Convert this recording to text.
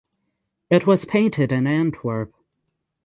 It was painted in Antwerp.